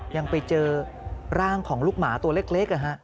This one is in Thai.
ยังไปเจอร่างของลูกหมาตัวเล็ก